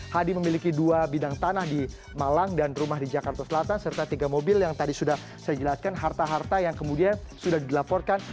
hadi memiliki dua bidang tanah di malang dan rumah di jakarta selatan serta tiga mobil yang tadi sudah saya jelaskan harta harta yang kemudian sudah dilaporkan